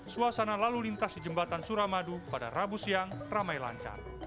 suasana lalu lintas di jembatan suramadu pada rabu siang ramai lancar